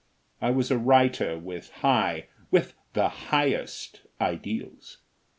I was a writer with high with the highest ideals.